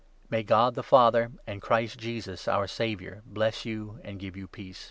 May God, the Father, and Christ Jesus, our Saviour, bless you and give you peace.